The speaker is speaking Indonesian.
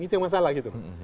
itu yang masalah gitu